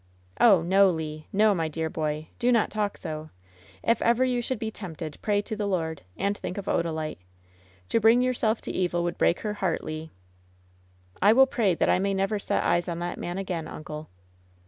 "Oh, no, Le ! No, my dear boy ! Do not talk so ! If ever you should be tempted, pray to the Lord. And think of Odalite. To bring yourself to evil would break her heart, Le!" "I will pray that I may never set eyes on that man again, uncle!"